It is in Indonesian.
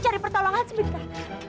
ayah ayah di depan